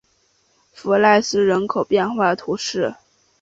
弗赖斯人口变化图示